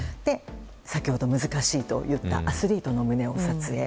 先ほど、難しいと言ったアスリートの胸を撮影。